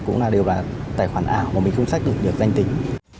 cũng là đều là tài khoản ảo mà mình không xác định được danh tính